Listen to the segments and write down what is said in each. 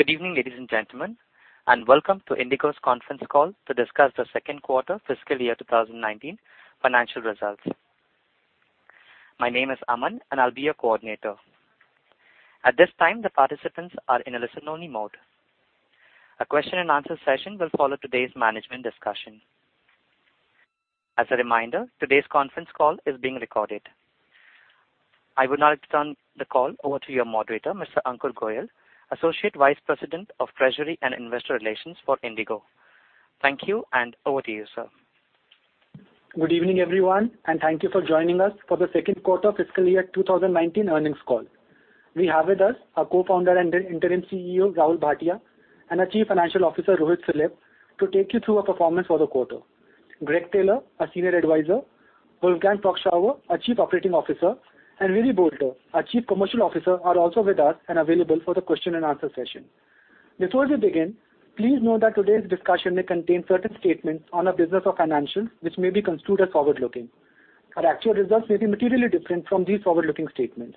Good evening, ladies and gentlemen, and welcome to IndiGo's conference call to discuss the second quarter fiscal year 2019 financial results. My name is Aman, and I'll be your coordinator. At this time, the participants are in a listen only mode. A question and answer session will follow today's management discussion. As a reminder, today's conference call is being recorded. I would now turn the call over to your moderator, Mr. Ankur Goel, Associate Vice President of Treasury and Investor Relations for IndiGo. Thank you, and over to you, sir. Good evening, everyone, and thank you for joining us for the second quarter fiscal year 2019 earnings call. We have with us our Co-founder and interim CEO, Rahul Bhatia, and our Chief Financial Officer, Rohit Philip, to take you through our performance for the quarter. Greg Taylor, a senior advisor, Wolfgang Prock-Schauer, our Chief Operating Officer, and Willy Boulter, our Chief Commercial Officer, are also with us and available for the question and answer session. Before we begin, please note that today's discussion may contain certain statements on our business or financials, which may be construed as forward-looking. Our actual results may be materially different from these forward-looking statements.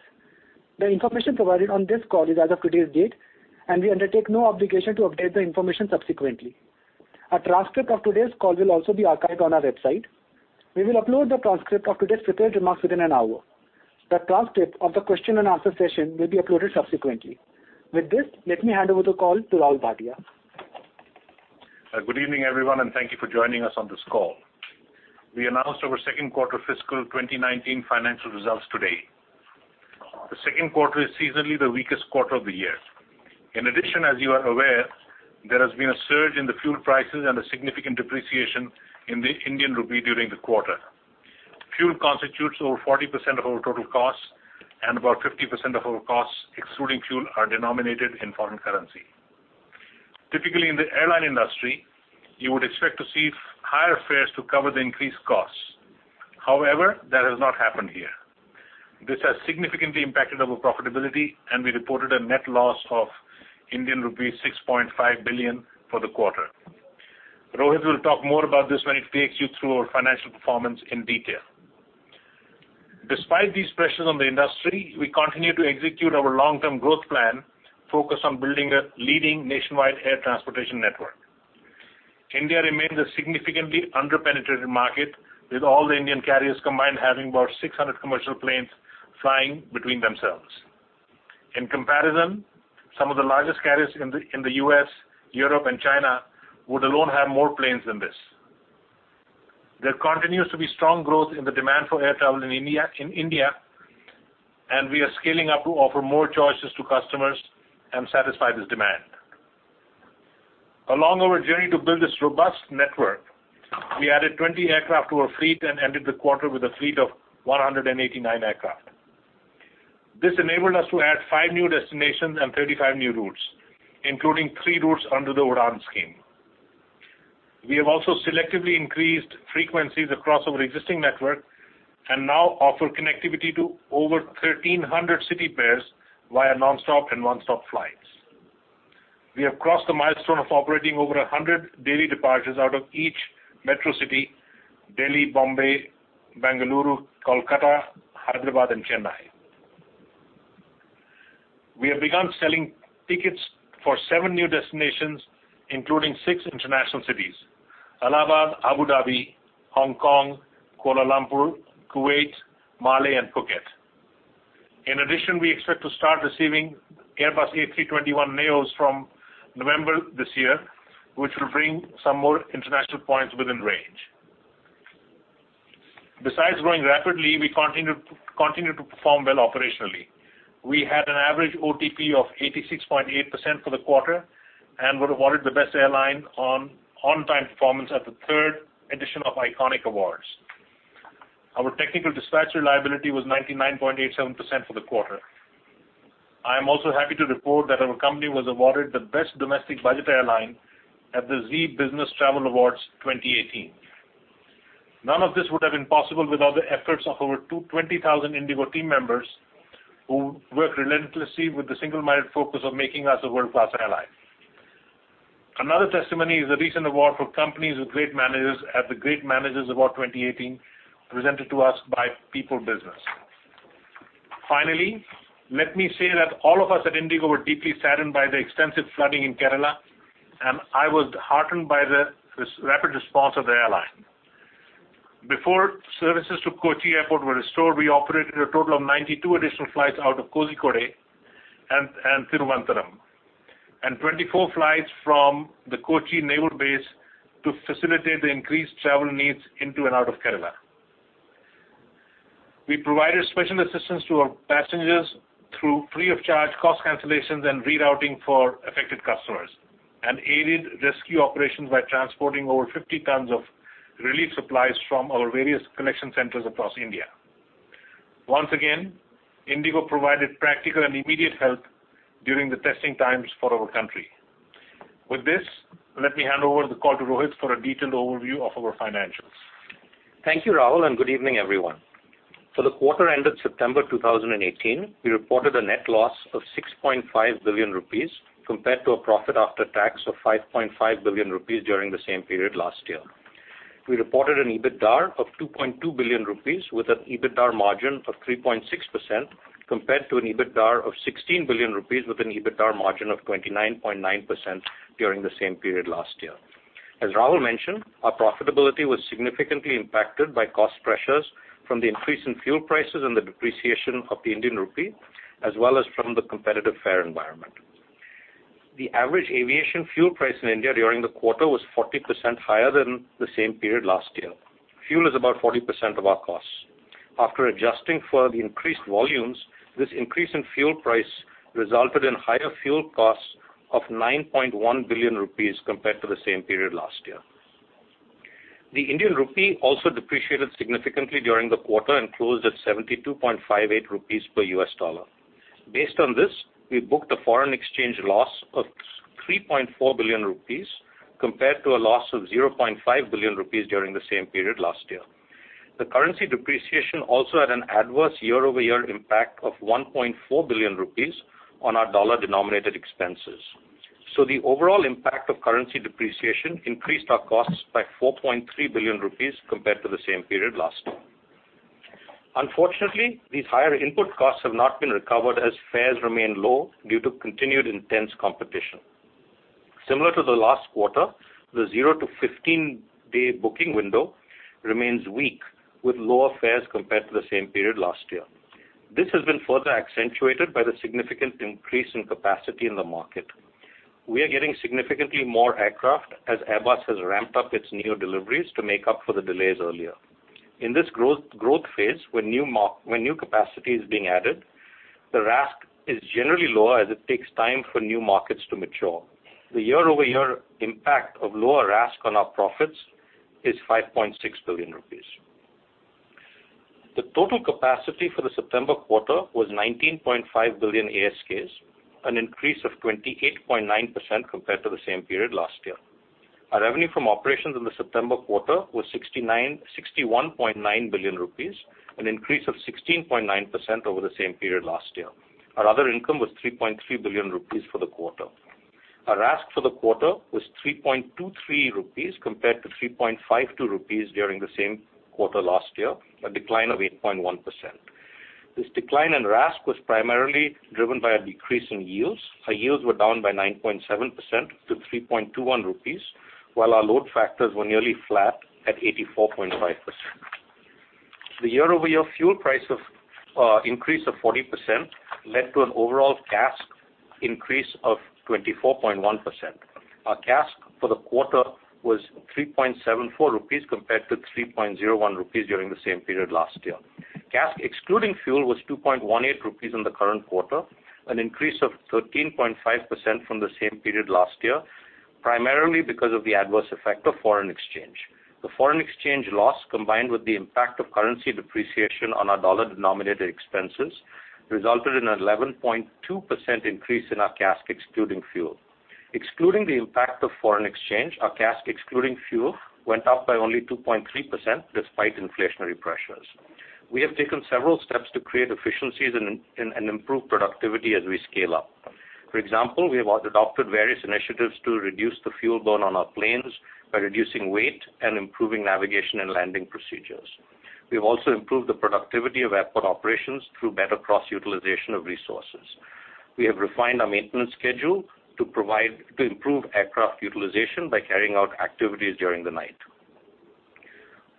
The information provided on this call is as of today's date, and we undertake no obligation to update the information subsequently. A transcript of today's call will also be archived on our website. We will upload the transcript of today's prepared remarks within an hour. The transcript of the question and answer session will be uploaded subsequently. With this, let me hand over the call to Rahul Bhatia. Good evening, everyone, and thank you for joining us on this call. We announced our second quarter fiscal 2019 financial results today. The second quarter is seasonally the weakest quarter of the year. In addition, as you are aware, there has been a surge in the fuel prices and a significant depreciation in the Indian rupee during the quarter. Fuel constitutes over 40% of our total costs, and about 50% of our costs, excluding fuel, are denominated in foreign currency. Typically, in the airline industry, you would expect to see higher fares to cover the increased costs. However, that has not happened here. This has significantly impacted our profitability, and we reported a net loss of Indian rupees 6.5 billion for the quarter. Rohit will talk more about this when he takes you through our financial performance in detail. Despite these pressures on the industry, we continue to execute our long-term growth plan focused on building a leading nationwide air transportation network. India remains a significantly under-penetrated market, with all the Indian carriers combined having about 600 commercial planes flying between themselves. In comparison, some of the largest carriers in the U.S., Europe, and China would alone have more planes than this. There continues to be strong growth in the demand for air travel in India, and we are scaling up to offer more choices to customers and satisfy this demand. Along our journey to build this robust network, we added 20 aircraft to our fleet and ended the quarter with a fleet of 189 aircraft. This enabled us to add 5 new destinations and 35 new routes, including 3 routes under the UDAN scheme. We have also selectively increased frequencies across our existing network and now offer connectivity to over 1,300 city pairs via nonstop and one-stop flights. We have crossed the milestone of operating over 100 daily departures out of each metro city, Delhi, Bombay, Bengaluru, Kolkata, Hyderabad, and Chennai. We have begun selling tickets for 7 new destinations, including 6 international cities, Allahabad, Abu Dhabi, Hong Kong, Kuala Lumpur, Kuwait, Malé, and Phuket. In addition, we expect to start receiving Airbus A321neos from November this year, which will bring some more international points within range. Besides growing rapidly, we continue to perform well operationally. We had an average OTP of 86.8% for the quarter and were awarded the best airline on on-time performance at the third edition of ICONIC Awards. Our technical dispatch reliability was 99.87% for the quarter. I am also happy to report that our company was awarded the best domestic budget airline at the Zee Business Travel Awards 2018. None of this would have been possible without the efforts of our 20,000 IndiGo team members who work relentlessly with the single-minded focus of making us a world-class airline. Another testimony is the recent award for companies with great managers at the Great Manager Awards 2018, presented to us by People Business. Finally, let me say that all of us at IndiGo were deeply saddened by the extensive flooding in Kerala, and I was heartened by the rapid response of the airline. Before services to Kochi Airport were restored, we operated a total of 92 additional flights out of Kozhikode and Thiruvananthapuram, and 24 flights from the Kochi naval base to facilitate the increased travel needs into and out of Kerala. We provided special assistance to our passengers through free of charge cost cancellations and rerouting for affected customers and aided rescue operations by transporting over 50 tons of relief supplies from our various connection centers across India. Once again, IndiGo provided practical and immediate help during the testing times for our country. With this, let me hand over the call to Rohit for a detailed overview of our financials. Thank you, Rahul, and good evening, everyone. For the quarter ended September 2018, we reported a net loss of 6.5 billion rupees compared to a profit after tax of 5.5 billion rupees during the same period last year. We reported an EBITDAR of 2.2 billion rupees with an EBITDAR margin of 3.6%, compared to an EBITDAR of 16 billion rupees with an EBITDAR margin of 29.9% during the same period last year. As Rahul mentioned, our profitability was significantly impacted by cost pressures from the increase in fuel prices and the depreciation of the Indian rupee, as well as from the competitive fare environment. The average aviation fuel price in India during the quarter was 40% higher than the same period last year. Fuel is about 40% of our costs. After adjusting for the increased volumes, this increase in fuel price resulted in higher fuel costs of 9.1 billion rupees compared to the same period last year. The Indian rupee also depreciated significantly during the quarter and closed at 72.58 rupees per US dollar. Based on this, we booked a foreign exchange loss of 3.4 billion rupees compared to a loss of 0.5 billion rupees during the same period last year. The currency depreciation also had an adverse year-over-year impact of 1.4 billion rupees on our dollar-denominated expenses. The overall impact of currency depreciation increased our costs by 4.3 billion rupees compared to the same period last year. Unfortunately, these higher input costs have not been recovered as fares remain low due to continued intense competition. Similar to the last quarter, the 0 to 15-day booking window remains weak, with lower fares compared to the same period last year. This has been further accentuated by the significant increase in capacity in the market. We are getting significantly more aircraft as Airbus has ramped up its new deliveries to make up for the delays earlier. In this growth phase, when new capacity is being added, the RASK is generally lower as it takes time for new markets to mature. The year-over-year impact of lower RASK on our profits is 5.6 billion rupees. The total capacity for the September quarter was 19.5 billion ASKs, an increase of 28.9% compared to the same period last year. Our revenue from operations in the September quarter was 61.9 billion rupees, an increase of 16.9% over the same period last year. Our other income was 3.3 billion rupees for the quarter. Our RASK for the quarter was 3.23 rupees compared to 3.52 rupees during the same quarter last year, a decline of 8.1%. This decline in RASK was primarily driven by a decrease in yields. Our yields were down by 9.7% to 3.21 rupees, while our load factors were nearly flat at 84.5%. The year-over-year fuel price increase of 40% led to an overall CASK increase of 24.1%. Our CASK for the quarter was 3.74 rupees compared to 3.01 rupees during the same period last year. CASK excluding fuel was 2.18 rupees in the current quarter, an increase of 13.5% from the same period last year, primarily because of the adverse effect of foreign exchange. The foreign exchange loss, combined with the impact of currency depreciation on our dollar-denominated expenses, resulted in an 11.2% increase in our CASK excluding fuel. Excluding the impact of foreign exchange, our CASK excluding fuel went up by only 2.3% despite inflationary pressures. We have taken several steps to create efficiencies and improve productivity as we scale up. For example, we have adopted various initiatives to reduce the fuel burn on our planes by reducing weight and improving navigation and landing procedures. We have also improved the productivity of airport operations through better cross-utilization of resources. We have refined our maintenance schedule to improve aircraft utilization by carrying out activities during the night.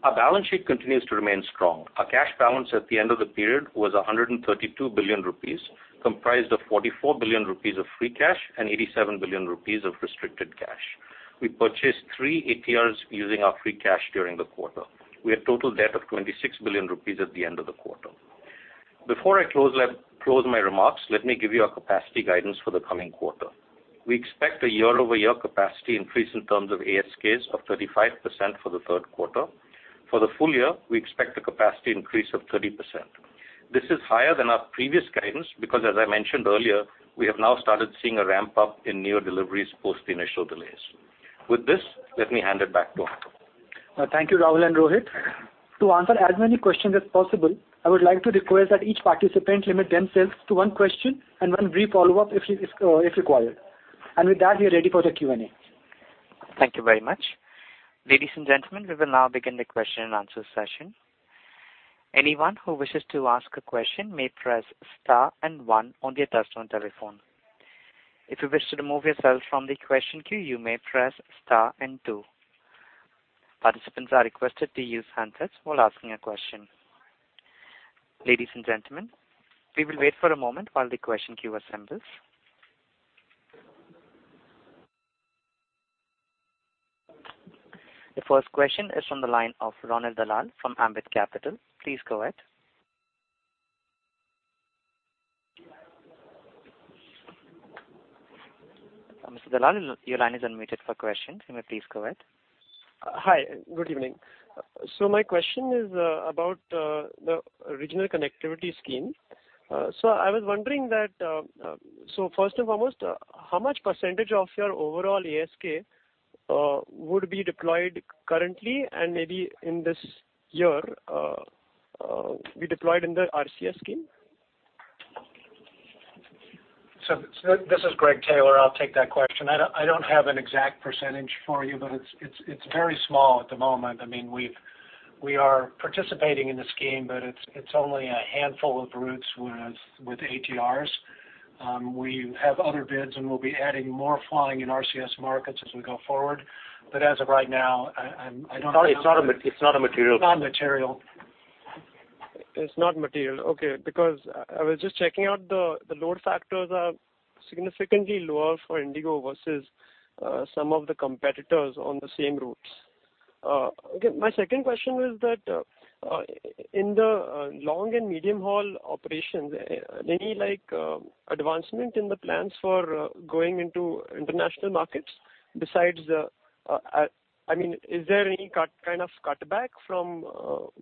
Our balance sheet continues to remain strong. Our cash balance at the end of the period was 132 billion rupees, comprised of 44 billion rupees of free cash and 87 billion rupees of restricted cash. We purchased three ATRs using our free cash during the quarter. We had total debt of 26 billion rupees at the end of the quarter. Before I close my remarks, let me give you our capacity guidance for the coming quarter. We expect a year-over-year capacity increase in terms of ASKs of 35% for the third quarter. For the full year, we expect a capacity increase of 30%. This is higher than our previous guidance because, as I mentioned earlier, we have now started seeing a ramp-up in newer deliveries post the initial delays. With this, let me hand it back to Rahul. Thank you, Rahul and Rohit. To answer as many questions as possible, I would like to request that each participant limit themselves to one question and one brief follow-up if required. With that, we are ready for the Q&A. Thank you very much. Ladies and gentlemen, we will now begin the question and answer session. Anyone who wishes to ask a question may press star and one on their touchtone telephone. If you wish to remove yourself from the question queue, you may press star and two. Participants are requested to use handsets while asking a question. Ladies and gentlemen, we will wait for a moment while the question queue assembles. The first question is from the line of Ronald Dalal from Ambit Capital. Please go ahead. Mr. Dalal, your line is unmuted for questions. You may please go ahead. Hi, good evening. My question is about the Regional Connectivity Scheme. I was wondering that, first and foremost, how much percentage of your overall ASK would be deployed currently and maybe in this year be deployed in the RCS scheme? This is Greg Taylor. I'll take that question. I don't have an exact percentage for you, but it's very small at the moment. We are participating in the scheme, but it's only a handful of routes with ATRs. We have other bids, and we'll be adding more flying in RCS markets as we go forward. As of right now, I don't have. It's not a material. It's not material. It's not material. Because I was just checking out the load factors are significantly lower for IndiGo versus some of the competitors on the same routes. My second question is that, in the long and medium haul operations, any advancement in the plans for going into international markets? Is there any kind of cutback from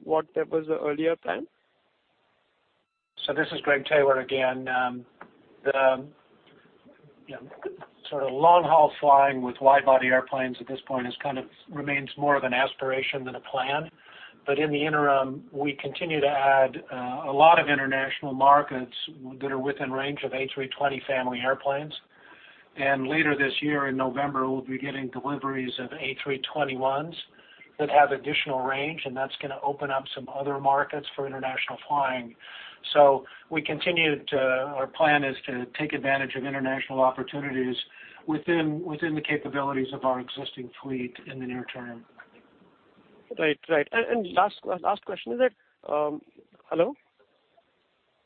what that was the earlier plan? This is Greg Taylor again. The long-haul flying with wide-body airplanes at this point remains more of an aspiration than a plan. In the interim, we continue to add a lot of international markets that are within range of A320 family airplanes. Later this year, in November, we'll be getting deliveries of A321s that have additional range, that's going to open up some other markets for international flying. Our plan is to take advantage of international opportunities within the capabilities of our existing fleet in the near term. Right. Last question is. Hello?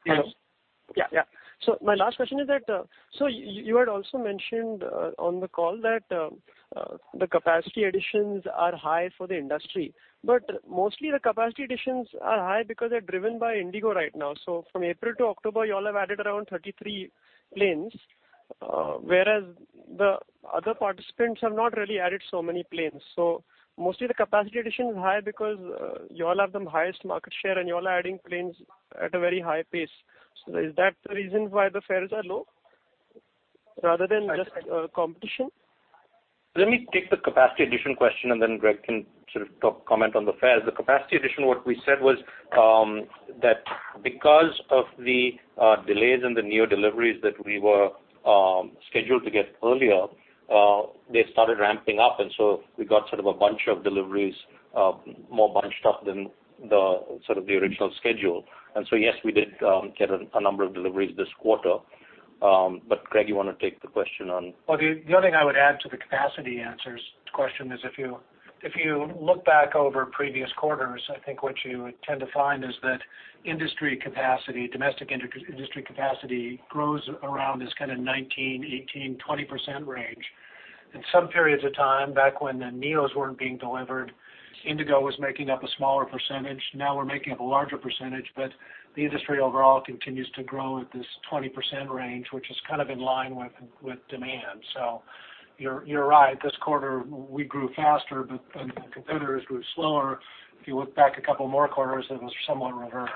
Hello. Yeah. My last question is that, so you had also mentioned on the call that the capacity additions are high for the industry, but mostly the capacity additions are high because they're driven by IndiGo right now. From April to October, you all have added around 33 planes, whereas the other participants have not really added so many planes. Mostly the capacity addition is high because you all have the highest market share and you all are adding planes at a very high pace. Is that the reason why the fares are low rather than just competition? Let me take the capacity addition question. Then Greg can comment on the fares. The capacity addition, what we said was that because of the delays in the new deliveries that we were scheduled to get earlier, they started ramping up. So we got a bunch of deliveries more bunched up than the original schedule. So yes, we did get a number of deliveries this quarter. Greg, you want to take the question? The other thing I would add to the capacity answers question is if you look back over previous quarters, I think what you would tend to find is that industry capacity, domestic industry capacity grows around this kind of 19%, 18%, 20% range. In some periods of time, back when the NEOs weren't being delivered, IndiGo was making up a smaller percentage. Now we're making up a larger percentage. The industry overall continues to grow at this 20% range, which is in line with demand. You're right, this quarter we grew faster. Competitors grew slower. If you look back a couple more quarters, it was somewhat reversed.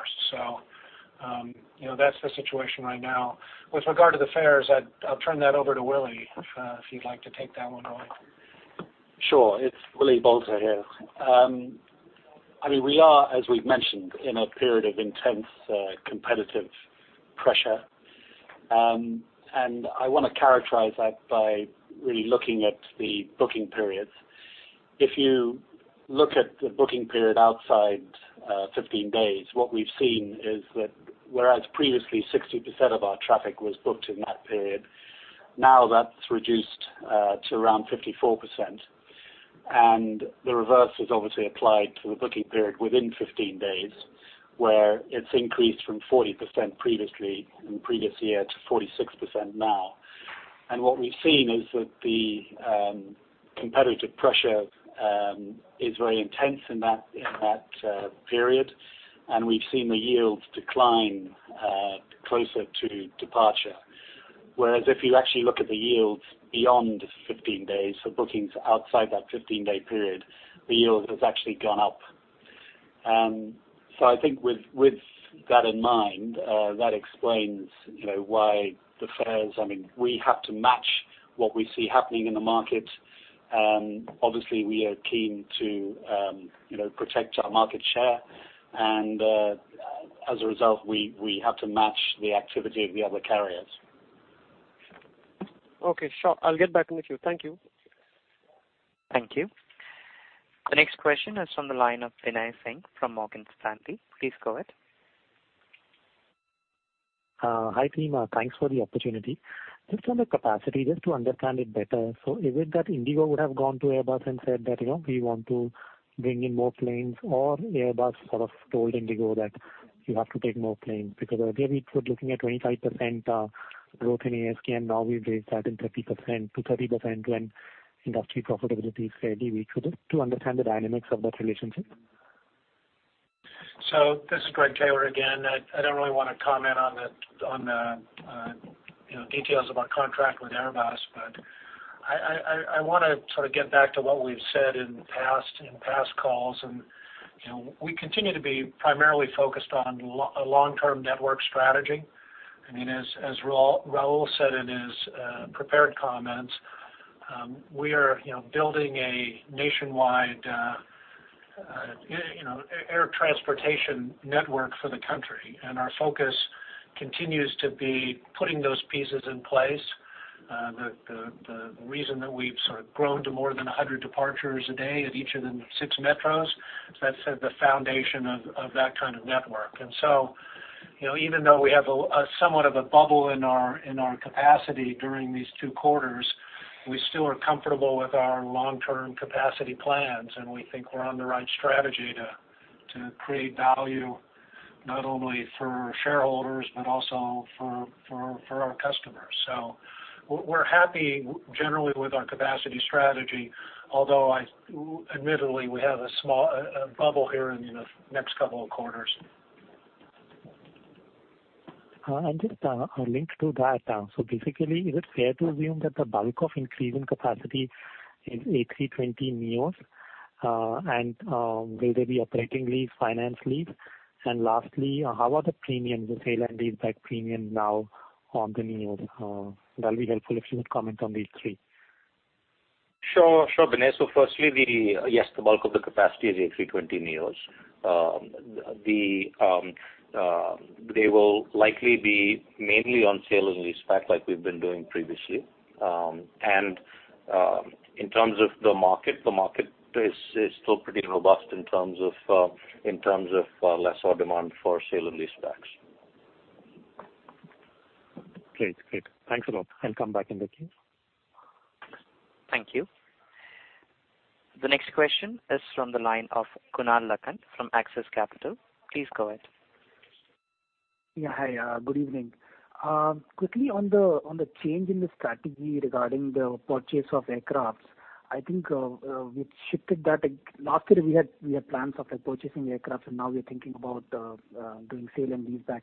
That's the situation right now. With regard to the fares, I'll turn that over to Willy, if you'd like to take that one, Willy. Sure. It's Willy Boulter here. We are, as we've mentioned, in a period of intense competitive pressure. I want to characterize that by really looking at the booking periods. If you look at the booking period outside 15 days, what we've seen is that whereas previously 60% of our traffic was booked in that period, now that's reduced to around 54%. The reverse is obviously applied to the booking period within 15 days, where it's increased from 40% previously, in the previous year, to 46% now. What we've seen is that the competitive pressure is very intense in that period, and we've seen the yields decline closer to departure. Whereas if you actually look at the yields beyond 15 days, so bookings outside that 15-day period, the yield has actually gone up. I think with that in mind, that explains why the fares. We have to match what we see happening in the market. Obviously, we are keen to protect our market share. As a result, we have to match the activity of the other carriers. Okay, sure. I'll get back in the queue. Thank you. Thank you. The next question is from the line of Binay Singh from Morgan Stanley. Please go ahead. Hi, team. Thanks for the opportunity. Just on the capacity, just to understand it better. Is it that IndiGo would have gone to Airbus and said that, "We want to bring in more planes," or Airbus sort of told IndiGo that you have to take more planes? Earlier we were looking at 25% growth in ASK, and now we've raised that to 30% when industry profitability is fairly weak. To understand the dynamics of that relationship. This is Greg Taylor again. I don't really want to comment on the details of our contract with Airbus, but I want to get back to what we've said in past calls. We continue to be primarily focused on a long-term network strategy. As Rahul said in prepared comments. We are building a nationwide air transportation network for the country, and our focus continues to be putting those pieces in place. The reason that we've sort of grown to more than 100 departures a day at each of the six metros, that set the foundation of that kind of network. Even though we have somewhat of a bubble in our capacity during these two quarters, we still are comfortable with our long-term capacity plans, and we think we're on the right strategy to create value, not only for shareholders but also for our customers. We're happy generally with our capacity strategy, although admittedly, we have a bubble here in the next couple of quarters. Just a link to that. Basically, is it fair to assume that the bulk of increase in capacity is A320neos? Will they be operating lease, finance lease? Lastly, how are the premiums, the sale and leaseback premium now on the neo? That will be helpful if you would comment on these three. Sure, Binay. Firstly, yes, the bulk of the capacity is A320neos. They will likely be mainly on sale and leaseback like we've been doing previously. In terms of the market, the market is still pretty robust in terms of lesser demand for sale and leasebacks. Great. Thanks a lot. I'll come back in the queue. Thank you. The next question is from the line of Kunal Lakhan from Axis Capital. Please go ahead. Yeah. Hi, good evening. Quickly on the change in the strategy regarding the purchase of aircraft, I think we shifted that. Last year, we had plans of purchasing aircraft, and now we're thinking about doing sale and leaseback.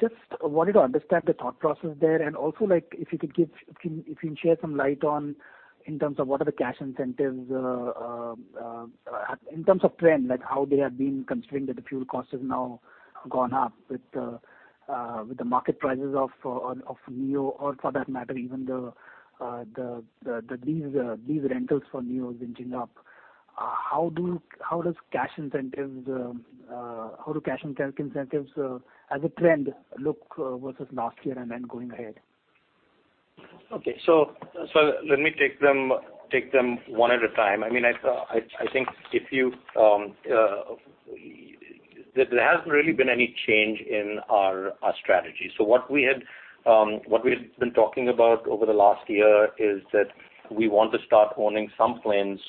Just wanted to understand the thought process there, and also if you can share some light on in terms of what are the cash incentives, in terms of trend, how they have been considering that the fuel cost has now gone up with the market prices of NEO or for that matter even the lease rentals for NEO is inching up. How do cash incentives as a trend look versus last year and then going ahead? Okay. Let me take them one at a time. There hasn't really been any change in our strategy. What we've been talking about over the last year is that we want to start owning some planes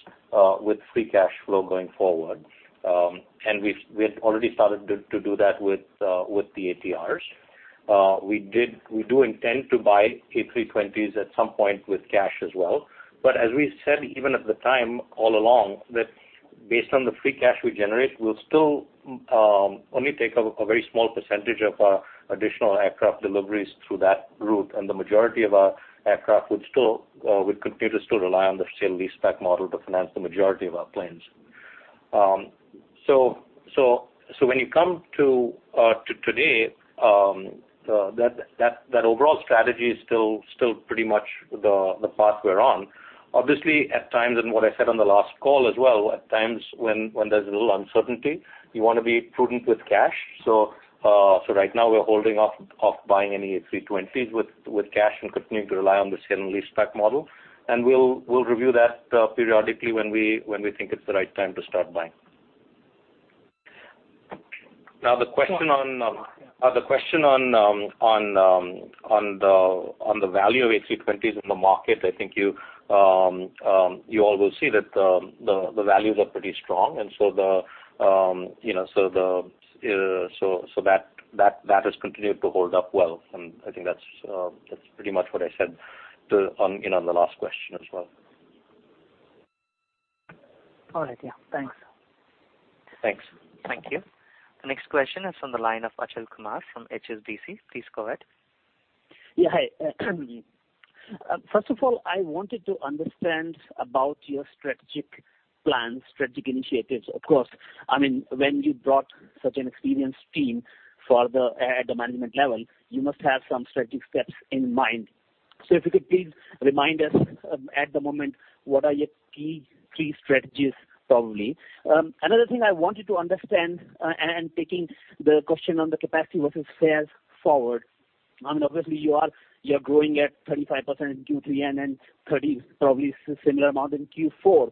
with free cash flow going forward. We've already started to do that with the ATRs. We do intend to buy A320s at some point with cash as well. As we said, even at the time all along, that based on the free cash we generate, we'll still only take a very small percentage of our additional aircraft deliveries through that route, and the majority of our aircraft would continue to rely on the sale leaseback model to finance the majority of our planes. When you come to today, that overall strategy is still pretty much the path we're on. Obviously, at times, what I said on the last call as well, at times when there's a little uncertainty, you want to be prudent with cash. Right now, we're holding off buying any A320s with cash and continuing to rely on the sale and leaseback model. We'll review that periodically when we think it's the right time to start buying. The question on the value of A320s in the market, I think you all will see that the values are pretty strong, that has continued to hold up well. I think that's pretty much what I said in on the last question as well. All right. Yeah. Thanks. Thanks. Thank you. The next question is from the line of Achal Kumar from HSBC. Please go ahead. Yeah. Hi. First of all, I wanted to understand about your strategic plans, strategic initiatives, of course. When you brought such an experienced team at the management level, you must have some strategic steps in mind. If you could please remind us at the moment, what are your key strategies, probably? Another thing I wanted to understand, and taking the question on the capacity versus sales forward. Obviously, you're growing at 35% in Q3 and then 30%, probably similar amount in Q4.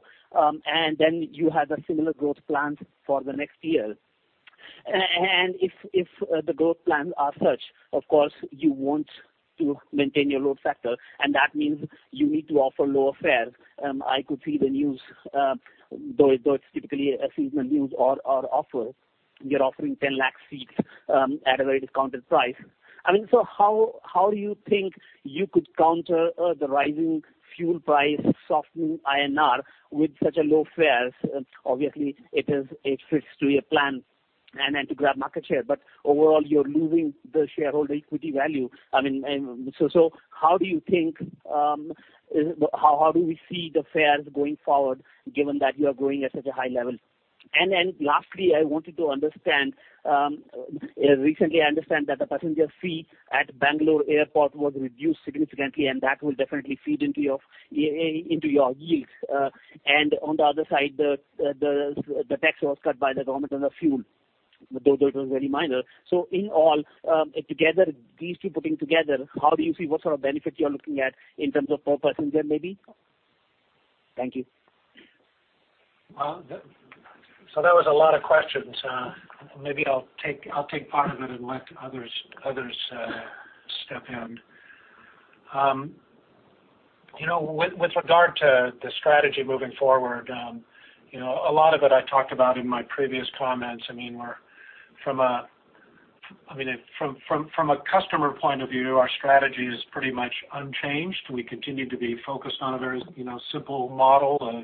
Then you have a similar growth plan for the next year. If the growth plans are such, of course, you want to maintain your load factor, and that means you need to offer lower fares. I could see the news, though it's typically a seasonal news or offer. You're offering 10 lakh seats at a very discounted price. How do you think you could counter the rising fuel price, softening INR with such a low fares? Obviously, it fits to your plan and to grab market share. Overall, you're losing the shareholder equity value. How do we see the fares going forward given that you are growing at such a high level? Then lastly, I wanted to understand. Recently, I understand that the passenger fee at Bangalore Airport was reduced significantly, and that will definitely feed into your yields. On the other side, the tax was cut by the government on the fuel, but that was very minor. In all, these two putting together, how do you see what sort of benefit you're looking at in terms of per passenger maybe? Thank you. That was a lot of questions. Maybe I'll take part of it and let others step in. With regard to the strategy moving forward, a lot of it I talked about in my previous comments. From a customer point of view, our strategy is pretty much unchanged. We continue to be focused on a very simple model of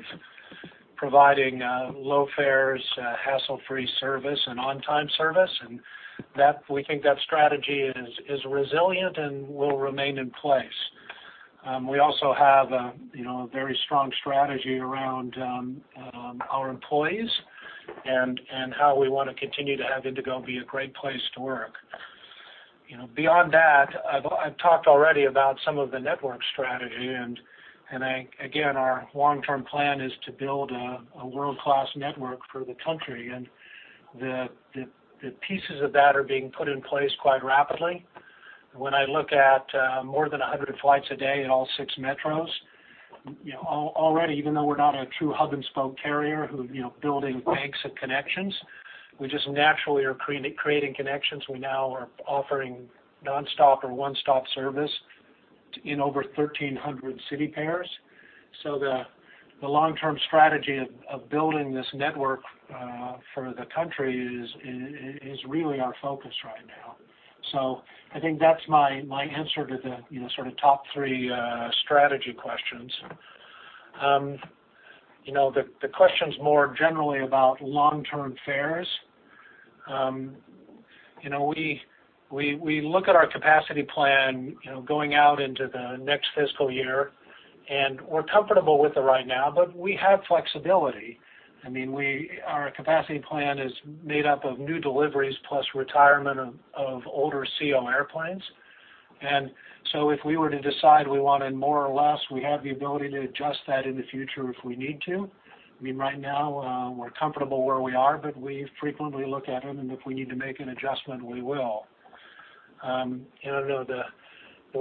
providing low fares, hassle-free service, and on-time service. We think that strategy is resilient and will remain in place. We also have a very strong strategy around our employees and how we want to continue to have IndiGo be a great place to work. Beyond that, I've talked already about some of the network strategy, and again, our long-term plan is to build a world-class network for the country, and the pieces of that are being put in place quite rapidly. When I look at more than 100 flights a day in all six metros, already, even though we're not a true hub-and-spoke carrier who building banks of connections, we just naturally are creating connections. We now are offering nonstop or one-stop service in over 1,300 city pairs. The long-term strategy of building this network for the country is really our focus right now. I think that's my answer to the sort of top three strategy questions. The questions more generally about long-term fares. We look at our capacity plan going out into the next fiscal year, and we're comfortable with it right now, but we have flexibility. Our capacity plan is made up of new deliveries plus retirement of older CEO airplanes. If we were to decide we wanted more or less, we have the ability to adjust that in the future if we need to. Right now, we're comfortable where we are, but we frequently look at it, and if we need to make an adjustment, we will. There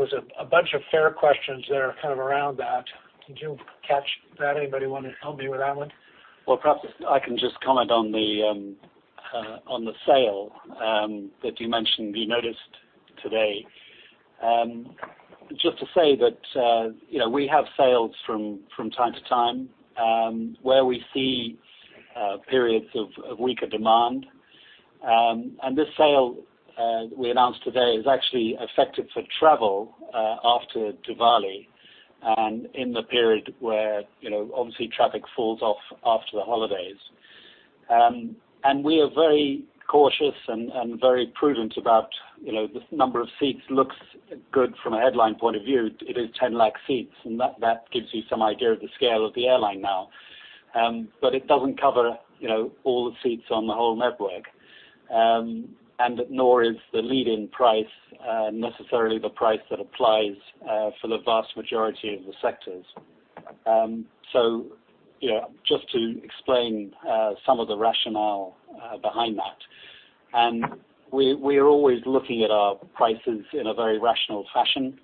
was a bunch of fare questions that are kind of around that. Did you catch that? Anybody want to help me with that one? Well, perhaps I can just comment on the sale that you mentioned you noticed today. Just to say that we have sales from time to time, where we see periods of weaker demand. This sale we announced today is actually effective for travel after Diwali and in the period where obviously traffic falls off after the holidays. We are very cautious and very prudent about the number of seats looks good from a headline point of view. It is 10 lakh seats, and that gives you some idea of the scale of the airline now. It doesn't cover all the seats on the whole network, and nor is the lead-in price necessarily the price that applies for the vast majority of the sectors. Just to explain some of the rationale behind that. We are always looking at our prices in a very rational fashion.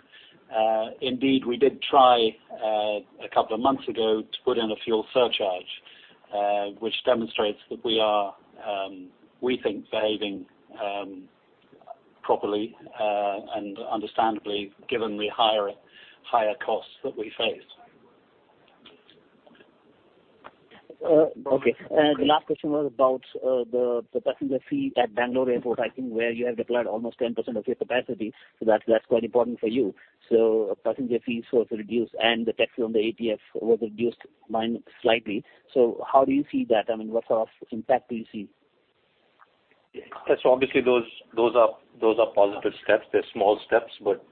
Indeed, we did try a couple of months ago to put in a fuel surcharge, which demonstrates that we are, we think, behaving properly and understandably given the higher costs that we face. Okay. The last question was about the passenger fee at Bangalore Airport, I think where you have deployed almost 10% of your capacity. That's quite important for you. Passenger fees were reduced, and the tax on the ATF was reduced slightly. How do you see that? I mean, what sort of impact do you see? Obviously those are positive steps. They're small steps, but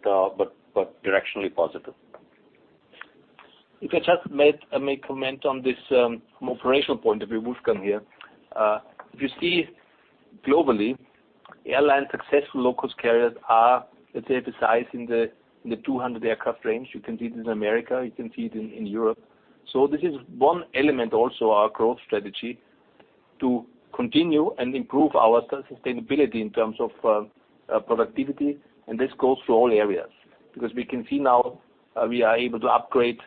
directionally positive. If I just may comment on this from operational point of view. Wolfgang here. If you see globally, airline successful low-cost carriers are, let's say, besides in the 200 aircraft range. You can see it in America, you can see it in Europe. This is one element also our growth strategy to continue and improve our sustainability in terms of productivity, and this goes for all areas. Because we can see now we are able to upgrade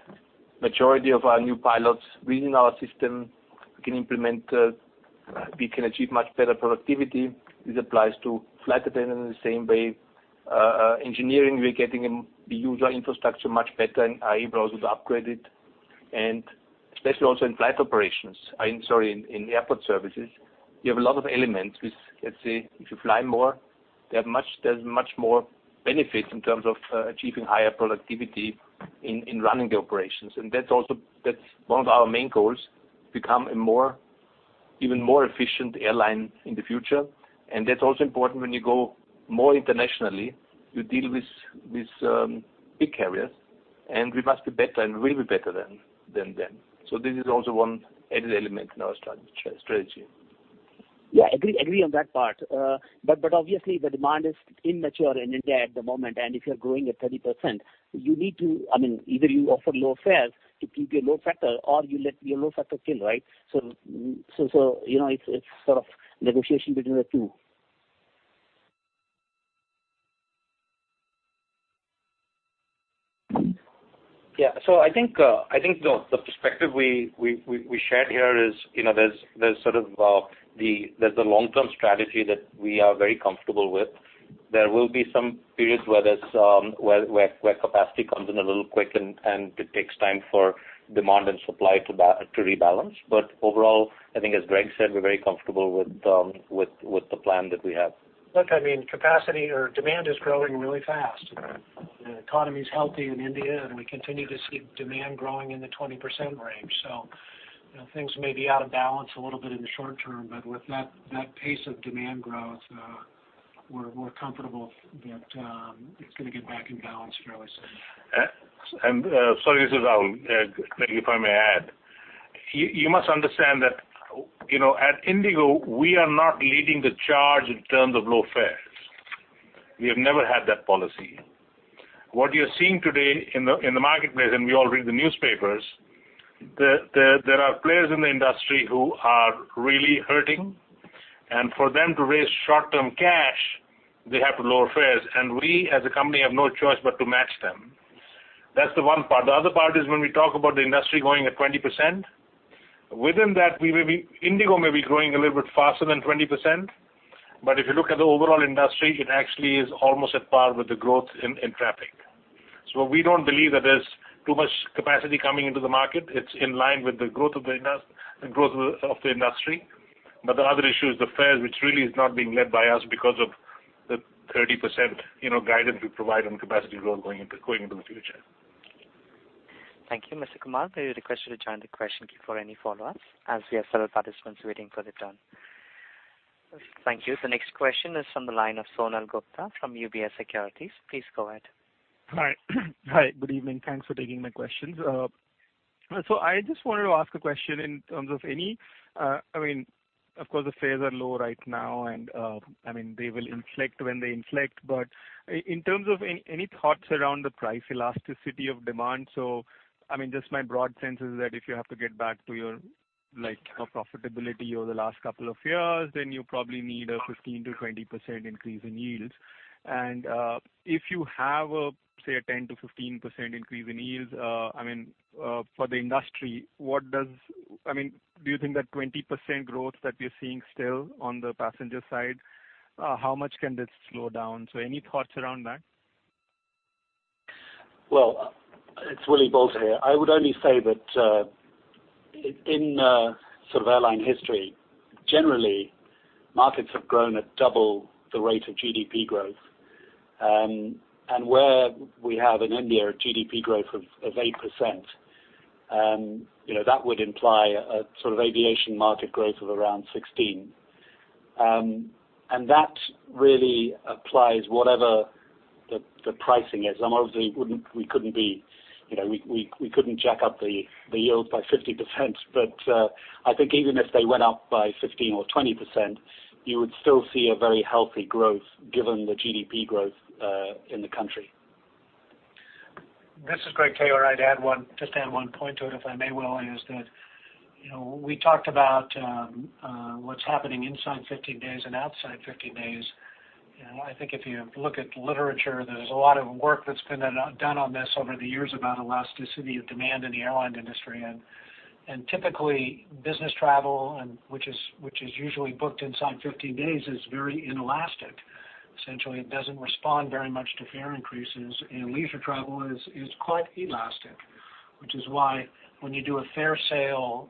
majority of our new pilots within our system. We can achieve much better productivity. It applies to flight attendant in the same way. Engineering, we're getting the usual infrastructure much better, and are able to upgrade it. Especially also in flight operations, sorry, in airport services, you have a lot of elements which, let's say, if you fly more, there's much more benefit in terms of achieving higher productivity in running the operations. That's one of our main goals, become even more efficient airline in the future. That's also important when you go more internationally, you deal with big carriers. We must be better and will be better than them. This is also one added element in our strategy. Yeah, agree on that part. Obviously the demand is immature in India at the moment, and if you're growing at 30%, either you offer low fares to keep your load factor or you let your load factor kill, right? It's sort of negotiation between the two. Yeah. I think the perspective we shared here is there's the long-term strategy that we are very comfortable with. There will be some periods where capacity comes in a little quick and it takes time for demand and supply to rebalance. Overall, I think as Greg said, we're very comfortable with the plan that we have. Look, capacity or demand is growing really fast. The economy is healthy in India, and we continue to see demand growing in the 20% range. Things may be out of balance a little bit in the short term, but with that pace of demand growth, we're comfortable that it's going to get back in balance fairly soon. Sorry, this is Rahul. Greg, if I may add. You must understand that at IndiGo, we are not leading the charge in terms of low fares. We have never had that policy. What you are seeing today in the marketplace, and we all read the newspapers, there are players in the industry who are really hurting. For them to raise short-term cash, they have to lower fares. We, as a company, have no choice but to match them. That's the one part. The other part is when we talk about the industry growing at 20%. Within that, IndiGo may be growing a little bit faster than 20%, but if you look at the overall industry, it actually is almost at par with the growth in traffic. We don't believe that there's too much capacity coming into the market. It's in line with the growth of the industry. The other issue is the fares, which really is not being led by us because of the 30% guidance we provide on capacity growth going into the future. Thank you, Mr. Kumar. May we request you to join the question queue for any follow-ups, as we have several participants waiting for their turn. Thank you. The next question is from the line of Sonal Gupta from UBS Securities. Please go ahead. Hi. Good evening. Thanks for taking my questions. I just wanted to ask a question in terms of course, the fares are low right now, and they will inflect when they inflect. In terms of any thoughts around the price elasticity of demand? Just my broad sense is that if you have to get back to your profitability over the last couple of years, then you probably need a 15%-20% increase in yields. If you have, say, a 10%-15% increase in yields for the industry, do you think that 20% growth that we are seeing still on the passenger side, how much can this slow down? Any thoughts around that? Well, it's Willy Boulter here. I would only say that in airline history, generally, markets have grown at double the rate of GDP growth. Where we have in India a GDP growth of 8%, that would imply a sort of aviation market growth of around 16%. That really applies whatever the pricing is. Obviously, we couldn't jack up the yields by 50%, but I think even if they went up by 15% or 20%, you would still see a very healthy growth given the GDP growth in the country. This is Greg Taylor. I'd just add one point to it, if I may, Willy. Is that we talked about what's happening inside 15 days and outside 15 days. I think if you look at literature, there's a lot of work that's been done on this over the years about elasticity of demand in the airline industry. Typically, business travel, which is usually booked inside 15 days, is very inelastic. Essentially, it doesn't respond very much to fare increases, and leisure travel is quite elastic, which is why when you do a fare sale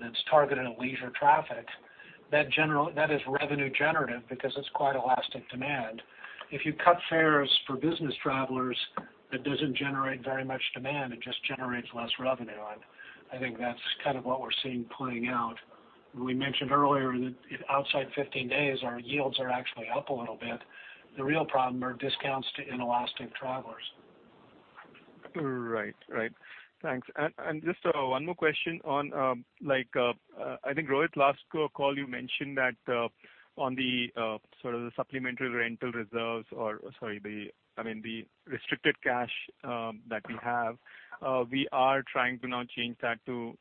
that's targeted at leisure traffic, that is revenue generative because it's quite elastic demand. If you cut fares for business travelers, that doesn't generate very much demand. It just generates less revenue. I think that's kind of what we're seeing playing out. We mentioned earlier that outside 15 days, our yields are actually up a little bit. The real problem are discounts to inelastic travelers. Right. Thanks. Just one more question on I think, Rohit, last call you mentioned that on the supplementary rental reserves or, sorry, the restricted cash that we have. We are trying to now change that to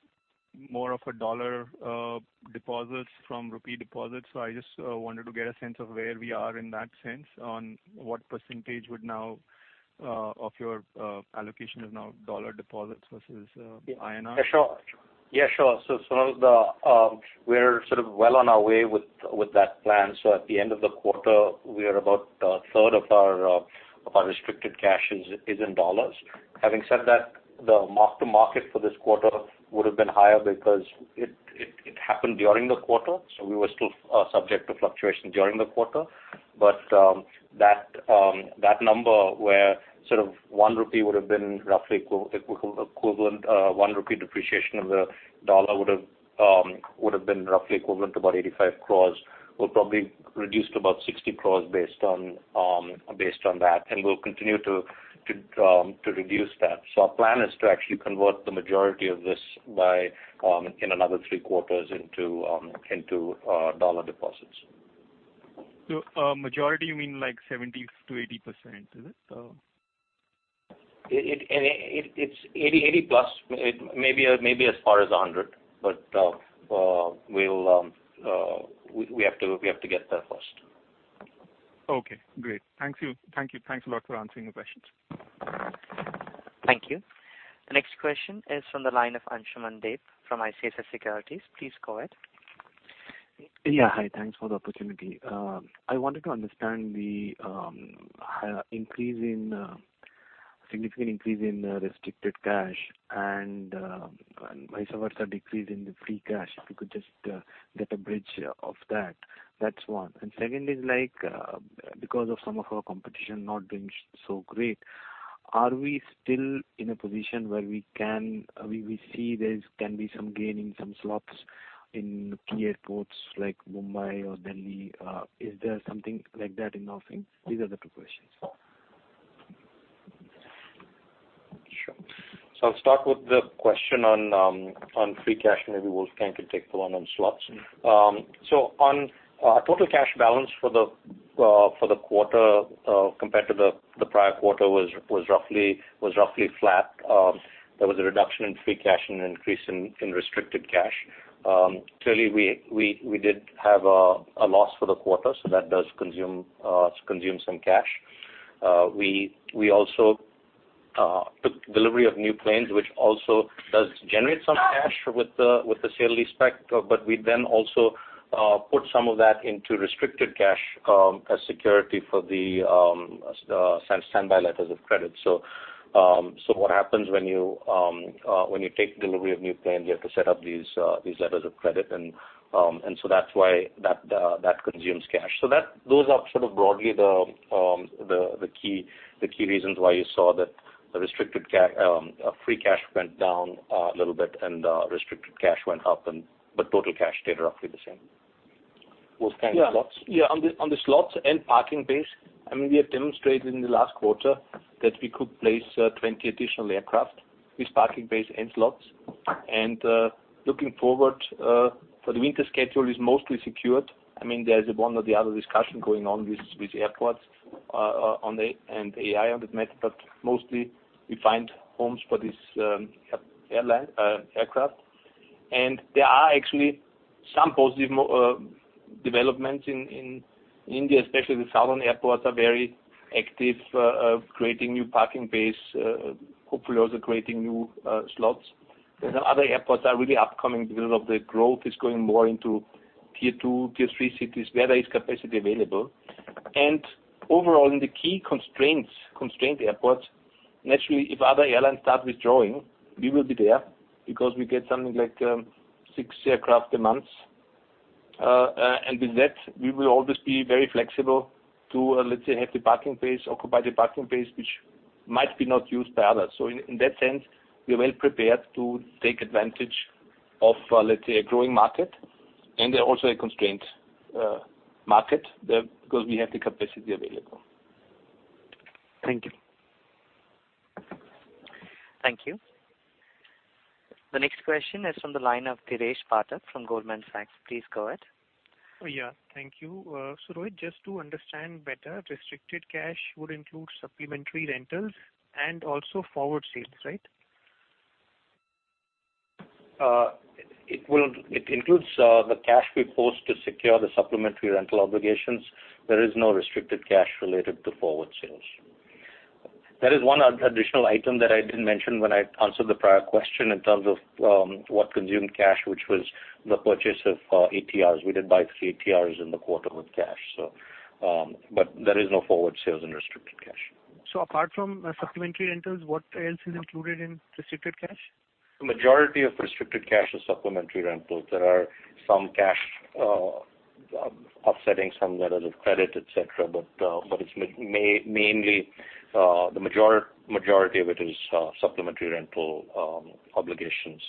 more of a dollar deposits from rupee deposits. I just wanted to get a sense of where we are in that sense on what percentage of your allocation is now dollar deposits versus INR. Yeah, sure. Some of the we are sort of well on our way with that plan. At the end of the quarter, we are about a third of our restricted cash is in dollars. Having said that, the mark to market for this quarter would have been higher because it happened during the quarter. We were still subject to fluctuation during the quarter. That number where sort of 1 rupee would have been roughly equivalent 1 rupee depreciation of the dollar would have been roughly equivalent to about 85 crores. We'll probably reduce to about 60 crores based on that, and we'll continue to reduce that. Our plan is to actually convert the majority of this in another three quarters into dollar deposits. Majority, you mean 70%-80%, is it so? It's 80+, maybe as far as 100, we have to get there first. Okay, great. Thank you. Thanks a lot for answering the questions. Thank you. The next question is from the line of Ansuman Deb from ICICI Securities. Please go ahead. Hi, thanks for the opportunity. I wanted to understand the significant increase in restricted cash and vice versa decrease in the free cash. If you could just get a bridge of that. That's one. Second is because of some of our competition not doing so great, are we still in a position where we see there can be some gain in some slots in key airports like Mumbai or Delhi? Is there something like that in offering? These are the two questions. Sure. I'll start with the question on free cash, and maybe Wolfgang can take the one on slots. On total cash balance for the quarter compared to the prior quarter was roughly flat. There was a reduction in free cash and an increase in restricted cash. Clearly, we did have a loss for the quarter, so that does consume some cash. We also took delivery of new planes, which also does generate some cash with the sale leaseback, but we then also put some of that into restricted cash as security for the standby letters of credit. What happens when you take delivery of new planes, you have to set up these letters of credit, and so that's why that consumes cash. Those are sort of broadly the key reasons why you saw that the free cash went down a little bit and restricted cash went up, but total cash stayed roughly the same. Wolfgang, slots? On the slots and parking base, we have demonstrated in the last quarter that we could place 20 additional aircraft with parking base and slots. Looking forward for the winter schedule is mostly secured. There is one or the other discussion going on with airports and AAI on that matter, but mostly we find homes for these aircraft. There are actually some positive developments in India, especially the southern airports are very active, creating new parking base, hopefully also creating new slots. Other airports are really upcoming because of the growth is going more into tier 2, tier 3 cities where there is capacity available. Overall, in the key constraint airports, naturally, if other airlines start withdrawing, we will be there because we get something like six aircraft a month. With that, we will always be very flexible to have the parking base occupied, the parking base which might be not used by others. In that sense, we are well prepared to take advantage of a growing market and also a constrained market there because we have the capacity available. Thank you. Thank you. The next question is from the line of Dheeresh Pathak from Goldman Sachs. Please go ahead. Yeah. Thank you. Rohit, just to understand better, restricted cash would include supplementary rentals and also forward sales, right? It includes the cash we post to secure the supplementary rental obligations. There is no restricted cash related to forward sales. There is one additional item that I didn't mention when I answered the prior question in terms of what consumed cash, which was the purchase of ATRs. We did buy three ATRs in the quarter with cash. There is no forward sales in restricted cash. Apart from supplementary rentals, what else is included in restricted cash? The majority of restricted cash is supplementary rentals. There are some cash offsetting some letters of credit, et cetera, but mainly the majority of it is supplementary rental obligations.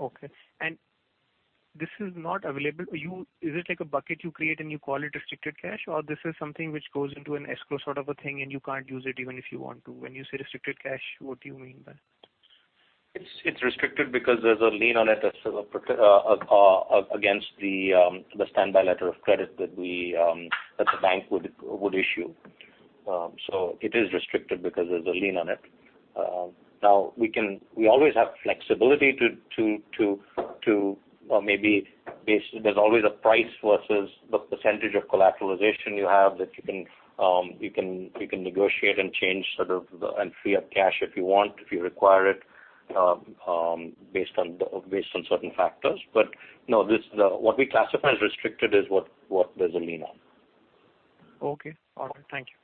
Okay. Is it like a bucket you create and you call it restricted cash, or this is something which goes into an escrow sort of a thing and you can't use it even if you want to? When you say restricted cash, what do you mean by that? It's restricted because there's a lien on it against the standby letter of credit that the bank would issue. It is restricted because there's a lien on it. We always have flexibility. There's always a price versus the percentage of collateralization you have that you can negotiate and change sort of, and free up cash if you want, if you require it, based on certain factors. No, what we classify as restricted is what there's a lien on. Okay. All right. Thank you.